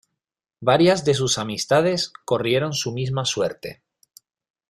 Varias de sus amistades corrieron su misma suerte.